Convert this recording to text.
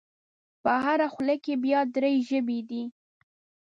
په هره خوله کې یې بیا درې ژبې دي.